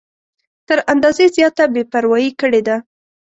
تر اندازې زیاته بې پروايي کړې ده.